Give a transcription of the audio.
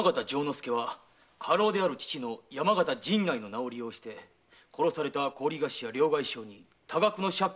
介は家老である父・山形陣内の名を利用して殺された高利貸しや両替商に多額の借金をしておりました。